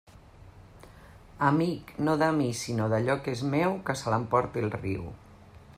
Amic no de mi sinó d'allò que és meu, que se l'emporte el riu.